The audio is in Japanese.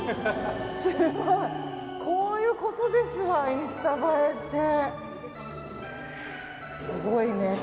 すごい。こういうことですわインスタ映えって。